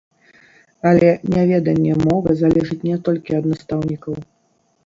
Але няведанне мовы залежыць не толькі ад настаўнікаў.